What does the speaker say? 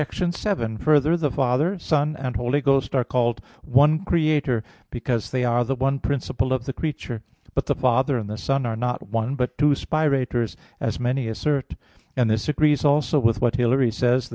7: Further, the Father, Son and Holy Ghost are called one Creator, because they are the one principle of the creature. But the Father and the Son are not one, but two Spirators, as many assert; and this agrees also with what Hilary says (De Trin.